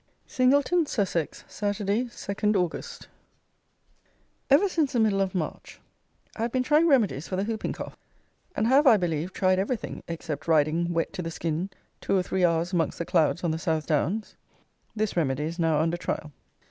Singleton (Sussex), Saturday, 2 Aug. Ever since the middle of March I have been trying remedies for the hooping cough, and have, I believe, tried everything, except riding, wet to the skin, two or three hours amongst the clouds on the South Downs. This remedy is now under trial.